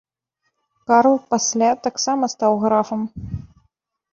Карл пасля таксама стаў графам.